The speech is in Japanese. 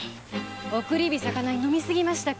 送り火肴に飲みすぎましたか？